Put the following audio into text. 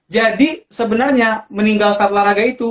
jadi sebenarnya meninggal saat laraga itu